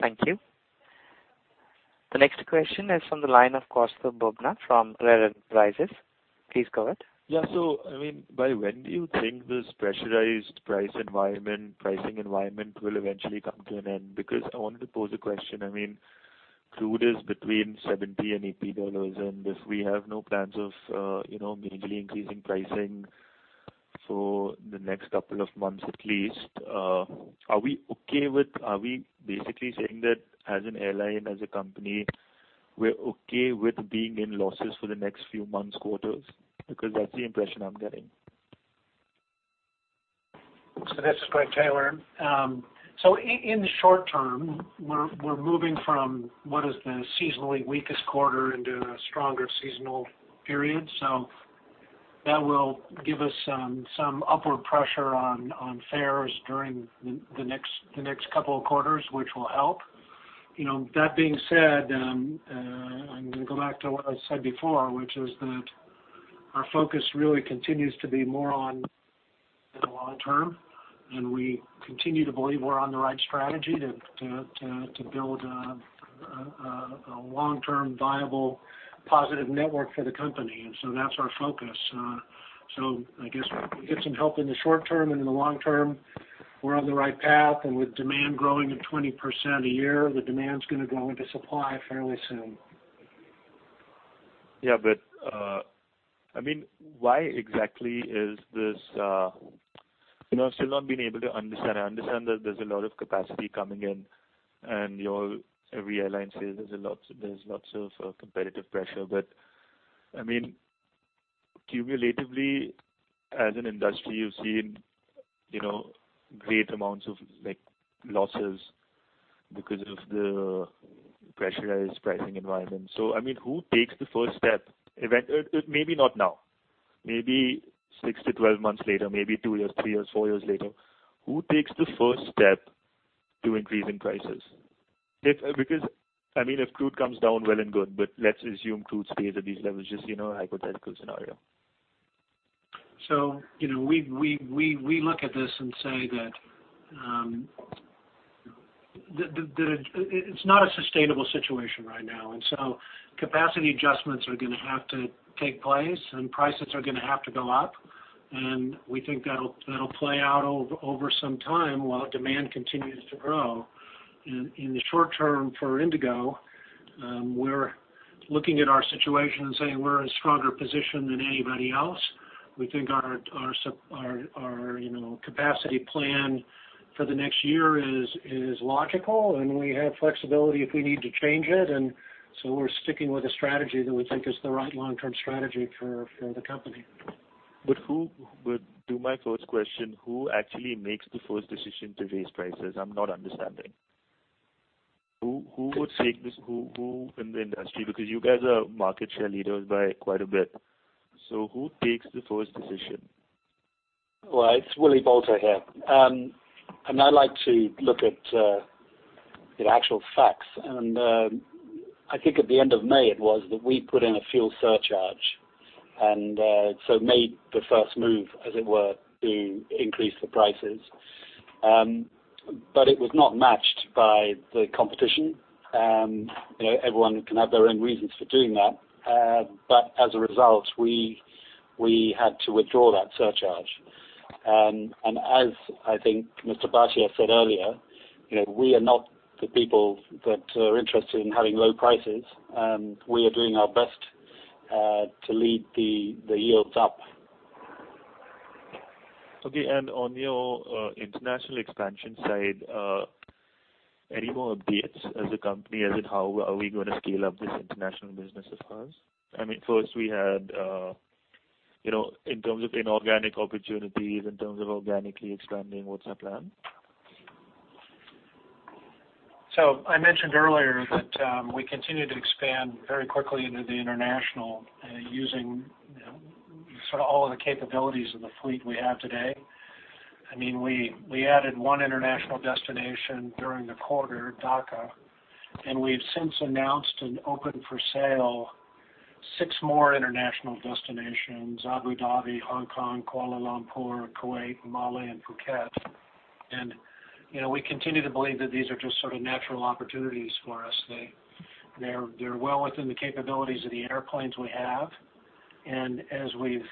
Thank you. The next question is from the line of Kaustubh Bubna from Religare Enterprises. Please go ahead. Yeah. By when do you think this pressurized pricing environment will eventually come to an end? I wanted to pose a question. Crude is between $70 and $80, if we have no plans of meaningfully increasing pricing for the next couple of months at least, are we basically saying that as an airline, as a company, we're okay with being in losses for the next few months quarters? That's the impression I'm getting. This is Greg Taylor. In the short term, we're moving from what is the seasonally weakest quarter into a stronger seasonal period. That will give us some upward pressure on fares during the next couple of quarters, which will help. That being said, I'm going to go back to what I said before, which is that our focus really continues to be more on the long term, we continue to believe we're on the right strategy to build a long-term viable, positive network for the company. That's our focus. I guess we'll get some help in the short term, in the long term, we're on the right path. With demand growing at 20% a year, the demand's going to go into supply fairly soon. Yeah. Why exactly. I've still not been able to understand. I understand that there's a lot of capacity coming in, every airline says there's lots of competitive pressure. Cumulatively, as an industry, you've seen great amounts of losses because of the pressurized pricing environment. Who takes the first step? Maybe not now, maybe 6 to 12 months later, maybe 2 years, 3 years, 4 years later. Who takes the first step to increase in prices? If crude comes down, well and good. Let's assume crude stays at these levels, just a hypothetical scenario. We look at this and say that it's not a sustainable situation right now. Capacity adjustments are going to have to take place, and prices are going to have to go up. We think that'll play out over some time while demand continues to grow. In the short term for IndiGo, we're looking at our situation and saying we're in a stronger position than anybody else. We think our capacity plan for the next year is logical, and we have flexibility if we need to change it. We're sticking with a strategy that we think is the right long-term strategy for the company. To my first question, who actually makes the first decision to raise prices? I'm not understanding. Who in the industry? Because you guys are market share leaders by quite a bit. Who takes the first decision? Well, it's Willy Boulter here. I like to look at the actual facts. I think at the end of May, it was that we put in a fuel surcharge, and so made the first move, as it were, to increase the prices. It was not matched by the competition. Everyone can have their own reasons for doing that. As a result, we had to withdraw that surcharge. As I think Mr. Bhatia said earlier, we are not the people that are interested in having low prices. We are doing our best to lead the yields up. Okay. On your international expansion side, any more updates as a company as in how are we going to scale up this international business of ours? In terms of inorganic opportunities, in terms of organically expanding, what's our plan? I mentioned earlier that we continue to expand very quickly into the international, using sort of all of the capabilities of the fleet we have today. We added one international destination during the quarter, Dhaka, and we've since announced and opened for sale six more international destinations: Abu Dhabi, Hong Kong, Kuala Lumpur, Kuwait, Malé, and Phuket. We continue to believe that these are just sort of natural opportunities for us. They're well within the capabilities of the airplanes we have. As we've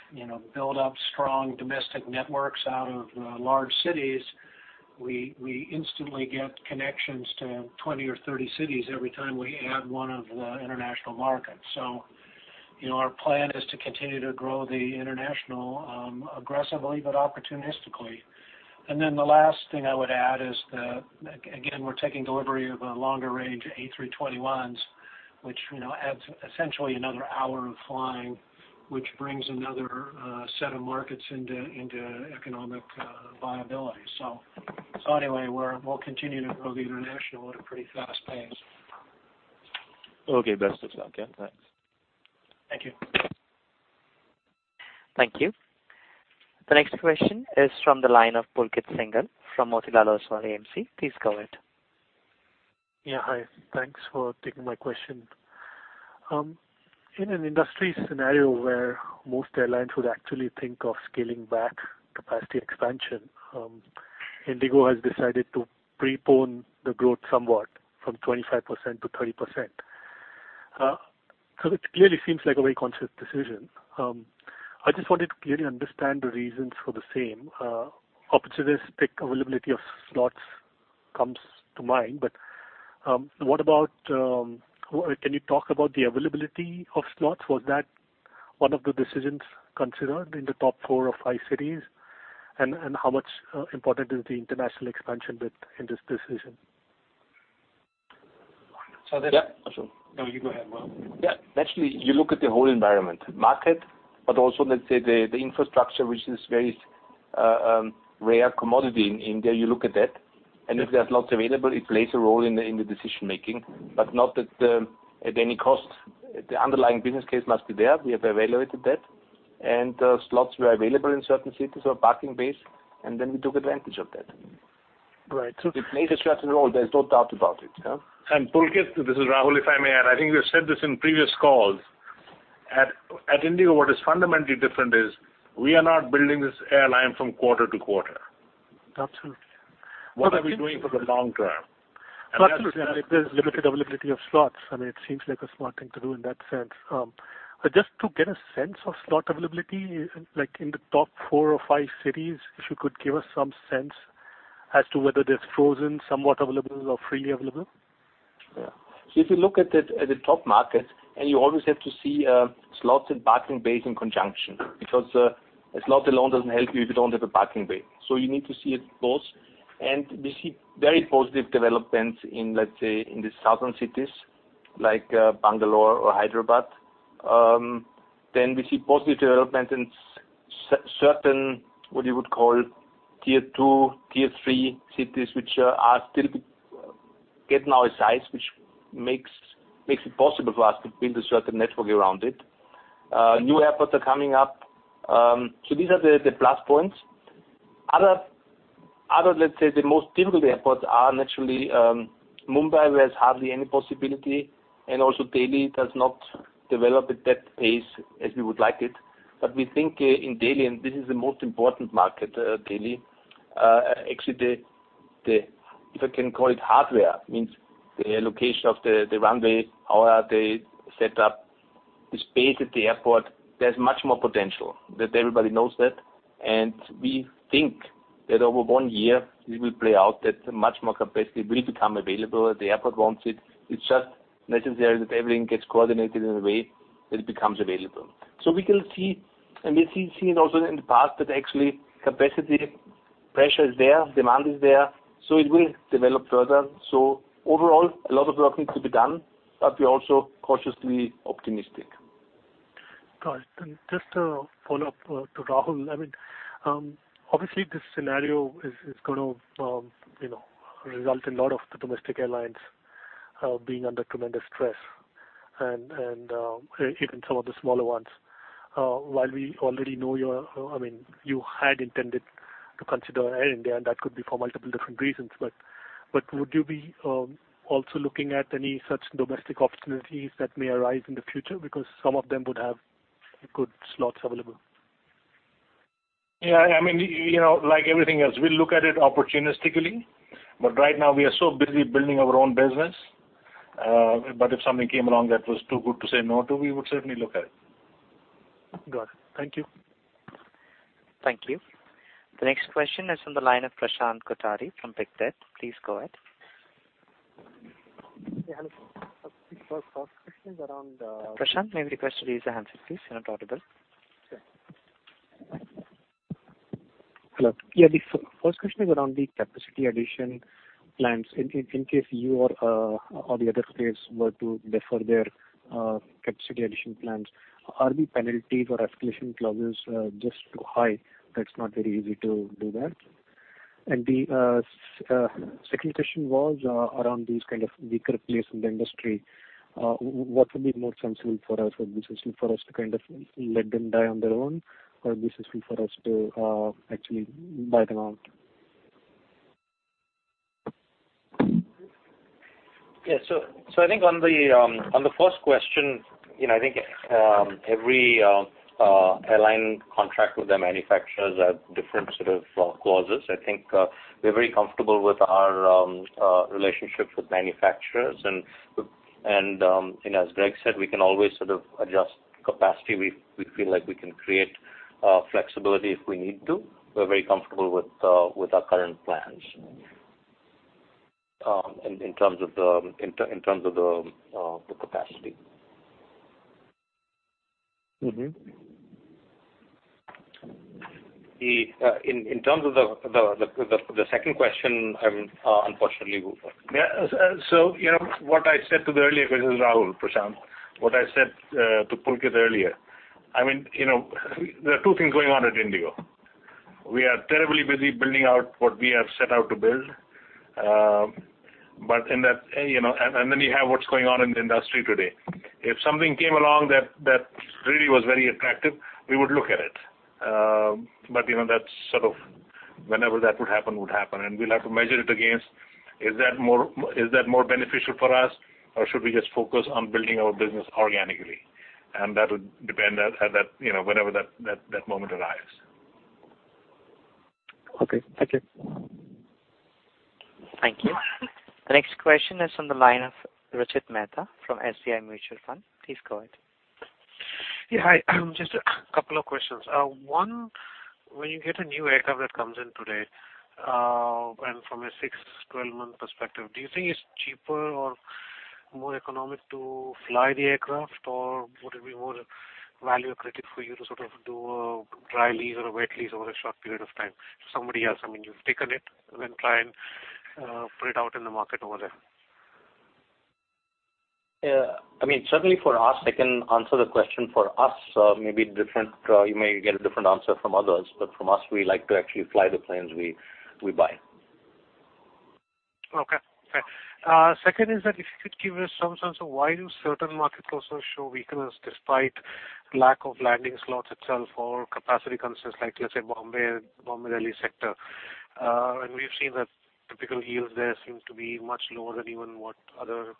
built up strong domestic networks out of large cities, we instantly get connections to 20 or 30 cities every time we add one of the international markets. Our plan is to continue to grow the international aggressively but opportunistically. The last thing I would add is that, again, we're taking delivery of longer-range A321s, which adds essentially another hour of flying, which brings another set of markets into economic viability. We'll continue to grow the international at a pretty fast pace. Okay. Best of luck. Thanks. Thank you. Thank you. The next question is from the line of Pulkit Singhal from Motilal Oswal Financial Services. Please go ahead. Yeah. Hi. Thanks for taking my question. In an industry scenario where most airlines would actually think of scaling back capacity expansion, IndiGo has decided to prepone the growth somewhat from 25%-30%. It clearly seems like a very conscious decision. I just wanted to clearly understand the reasons for the same. Opportunistic availability of slots comes to mind, but can you talk about the availability of slots? Was that one of the decisions considered in the top four of five cities? How much important is the international expansion bit in this decision? So that- Yeah, absolutely. No, you go ahead, Wolfgang. Yeah. Actually, you look at the whole environment market, but also, let's say, the infrastructure, which is very rare commodity in India, you look at that. If there's lots available, it plays a role in the decision making, but not at any cost. The underlying business case must be there. We have evaluated that. Slots were available in certain cities or parking base, we took advantage of that. Right. It plays a certain role, there's no doubt about it. Pulkit, this is Rahul, if I may add, I think we've said this in previous calls. At IndiGo, what is fundamentally different is we are not building this airline from quarter-to-quarter. Absolutely. What are we doing for the long term? Absolutely. If there's limited availability of slots, it seems like a smart thing to do in that sense. Just to get a sense of slot availability, like in the top four or five cities, if you could give us some sense as to whether they're frozen, somewhat available or freely available? If you look at the top market, and you always have to see slots and parking base in conjunction because a slot alone doesn't help you if you don't have a parking bay. You need to see it both. We see very positive developments in, let's say, in the southern cities like Bangalore or Hyderabad. We see positive development in certain, what you would call tier 2, tier 3 cities, which are still getting our size, which makes it possible for us to build a certain network around it. New airports are coming up. These are the plus points. Other, let's say, the most difficult airports are naturally Mumbai, where is hardly any possibility, and also Delhi does not develop at that pace as we would like it. We think in Delhi, and this is the most important market, Delhi, actually if I can call it hardware, means the location of the runway, how are they set up, the space at the airport, there's much more potential. That everybody knows that. We think that over one year it will play out, that much more capacity will become available. The airport wants it. It's just necessary that everything gets coordinated in a way that it becomes available. We can see, and we've seen also in the past, that actually capacity pressure is there, demand is there, so it will develop further. Overall, a lot of work needs to be done, but we are also cautiously optimistic. Got it. Just a follow-up to Rahul. Obviously, this scenario is going to result in a lot of the domestic airlines being under tremendous stress and even some of the smaller ones. While we already know you had intended to consider Air India, and that could be for multiple different reasons, would you be also looking at any such domestic opportunities that may arise in the future? Because some of them would have good slots available. Yeah. Like everything else, we look at it opportunistically, but right now we are so busy building our own business. If something came along that was too good to say no to, we would certainly look at it. Got it. Thank you. Thank you. The next question is on the line of Prashant Kothari from Pictet. Please go ahead. Yeah, hello. First question is around- Prashant, may I request you to raise your hand please? You are not audible. Okay. Hello. Yeah, the first question is around the capacity addition plans. In case you or the other space were to defer their capacity addition plans, are the penalty for escalation clauses just too high that's not very easy to do that? The second question was around these kind of weaker players in the industry. What would be more sensible for us? Would be sensible for us to let them die on their own or be sensible for us to actually buy them out? Yeah. I think on the first question, I think every airline contract with their manufacturers have different sort of clauses. I think we are very comfortable with our relationships with manufacturers, as Greg said, we can always sort of adjust capacity. We feel like we can create flexibility if we need to. We are very comfortable with our current plans in terms of the capacity. In terms of the second question, unfortunately Yeah. What I said to the earlier, this is Rahul, Prashant. What I said to Pulkit earlier. There are two things going on at IndiGo. We are terribly busy building out what we have set out to build. Then you have what's going on in the industry today. If something came along that really was very attractive, we would look at it. Whenever that would happen, and we'll have to measure it against, is that more beneficial for us or should we just focus on building our business organically? That would depend whenever that moment arrives. Okay, thank you. Thank you. The next question is on the line of Rachit Mehta from SBI Mutual Fund. Please go ahead. Yeah, hi. Just a couple of questions. One, when you get a new aircraft that comes in today, from a 6-12 month perspective, do you think it's cheaper or more economic to fly the aircraft? Or would it be more value accretive for you to do a dry lease or a wet lease over a short period of time to somebody else? You've taken it and then try and put it out in the market over there. Yeah. Certainly for us, I can answer the question for us. You may get a different answer from others, from us, we like to actually fly the planes we buy. Okay, fair. Second is that if you could give us some sense of why do certain market clusters show weakness despite lack of landing slots itself or capacity concerns like, let's say, Bombay, Delhi sector. We've seen that typical yields there seem to be much lower than even what other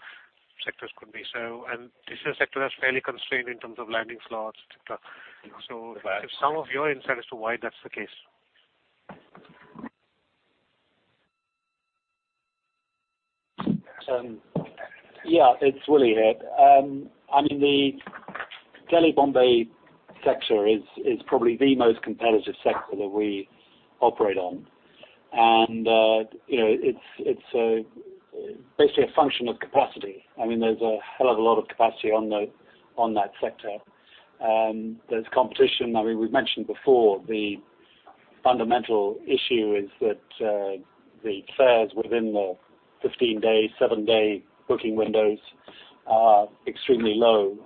sectors could be. This is a sector that's fairly constrained in terms of landing slots, et cetera. If some of your insight as to why that's the case. It's Willy here. The Delhi-Bombay sector is probably the most competitive sector that we operate on. It's basically a function of capacity. There's a hell of a lot of capacity on that sector. There's competition. We've mentioned before, the fundamental issue is that the fares within the 15-day, seven-day booking windows are extremely low.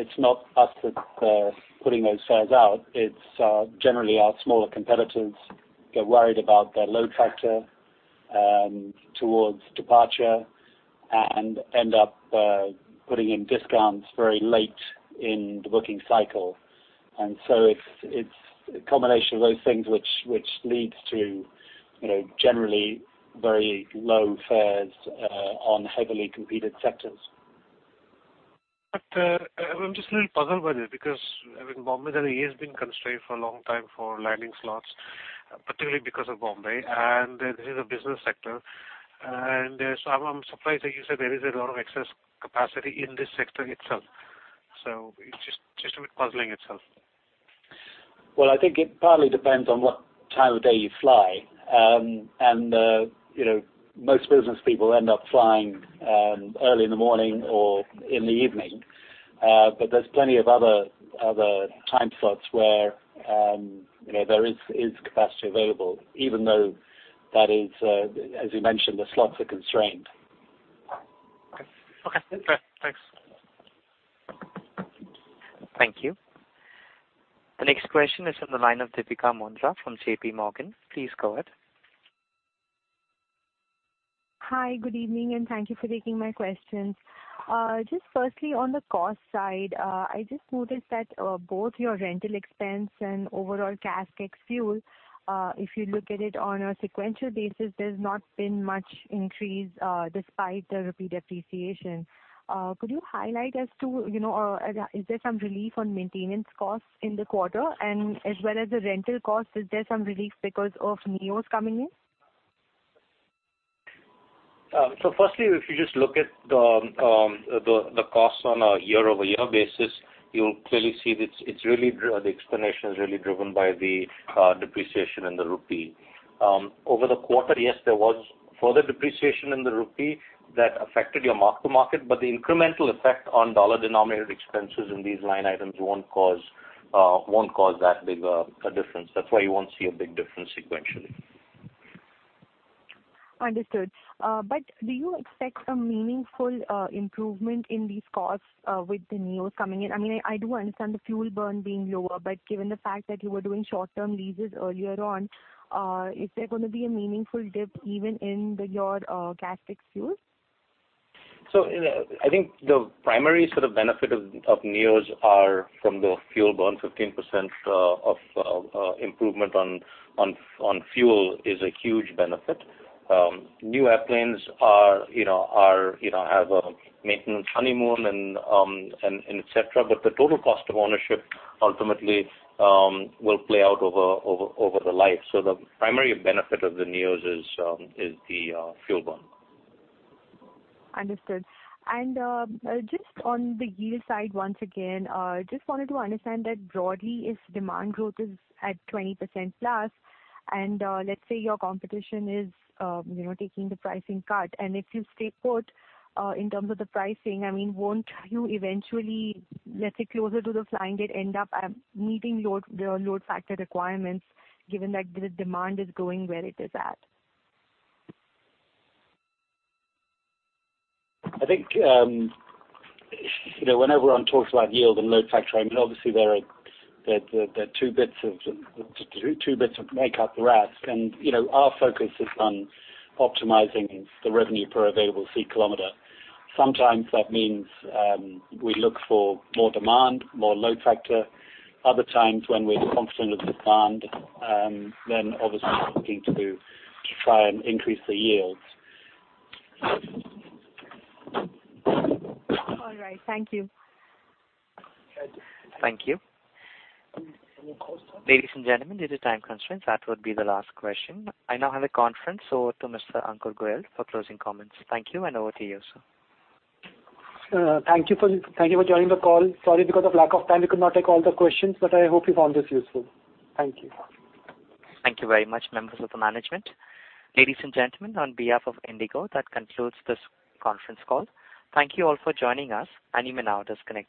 It's not us that's putting those fares out. It's generally our smaller competitors get worried about their load factor towards departure and end up putting in discounts very late in the booking cycle. It's a combination of those things which leads to generally very low fares on heavily competed sectors. I'm just a little puzzled by this, because Bombay-Delhi has been constrained for a long time for landing slots, particularly because of Bombay, and this is a business sector. I'm surprised that you said there is a lot of excess capacity in this sector itself. It's just a bit puzzling itself. I think it partly depends on what time of day you fly. Most business people end up flying early in the morning or in the evening. There's plenty of other time slots where there is capacity available, even though that is, as you mentioned, the slots are constrained. Okay. Thanks. Thank you. The next question is on the line of Deepika Mundra from JP Morgan. Please go ahead. Hi, good evening, and thank you for taking my questions. Firstly, on the cost side, I just noticed that both your rental expense and overall CASK ex fuel, if you look at it on a sequential basis, there's not been much increase despite the rupee depreciation. Could you highlight as to, is there some relief on maintenance costs in the quarter? As well as the rental cost, is there some relief because of NEOs coming in? Firstly, if you just look at the costs on a year-over-year basis, you'll clearly see the explanation is really driven by the depreciation in the rupee. Over the quarter, yes, there was further depreciation in the rupee that affected your mark-to-market, the incremental effect on dollar-denominated expenses in these line items won't cause that big a difference. That's why you won't see a big difference sequentially. Do you expect a meaningful improvement in these costs with the neos coming in? I do understand the fuel burn being lower, given the fact that you were doing short-term leases earlier on, is there going to be a meaningful dip even in your CASK ex fuel? I think the primary benefit of NEOs are from the fuel burn, 15% of improvement on fuel is a huge benefit. New airplanes have a maintenance honeymoon and et cetera, but the total cost of ownership ultimately will play out over the life. The primary benefit of the NEOs is the fuel burn. Understood. Just on the yield side, once again, just wanted to understand that broadly, if demand growth is at 20%+, and let's say your competition is taking the pricing cut, and if you stay put in terms of the pricing, won't you eventually, let's say, closer to the flying date, end up meeting the load factor requirements given that the demand is going where it is at? I think, whenever one talks about yield and load factor, obviously they're two bits that make up RASK. Our focus is on optimizing the revenue per available seat kilometer. Sometimes that means we look for more demand, more load factor. Other times, when we're confident of the demand, obviously we're looking to try and increase the yields. All right. Thank you. Thank you. Any more calls? Ladies and gentlemen, due to time constraints, that would be the last question. I now hand the conference over to Mr. Ankur Goel for closing comments. Thank you, and over to you, sir. Thank you for joining the call. Sorry, because of lack of time, we could not take all the questions, but I hope you found this useful. Thank you. Thank you very much, members of the management. Ladies and gentlemen, on behalf of IndiGo, that concludes this conference call. Thank you all for joining us, and you may now disconnect.